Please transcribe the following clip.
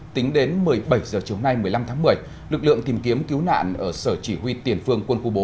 tính đến một mươi bảy h chiều nay một mươi năm tháng một mươi lực lượng tìm kiếm cứu nạn ở sở chỉ huy tiền phương quân khu bốn